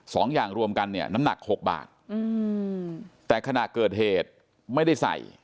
สองอย่างรวมกันเนี่ยน้ำหนักหกบาทอืมแต่ขณะเกิดเหตุไม่ได้ใส่